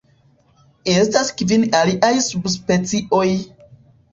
Estas kvin aliaj subspecioj.